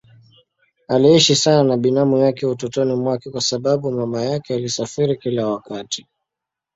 Aliishi sana na binamu yake utotoni mwake kwa sababu mama yake alisafiri kila wakati.